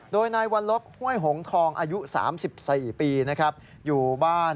โดยนายวัลลบห้วยหงทองอายุ๓๔ปีนะครับอยู่บ้าน